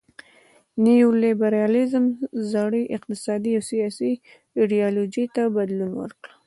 نیو لیبرالیزم زړې اقتصادي او سیاسي ایډیالوژۍ ته بدلون ورکړ.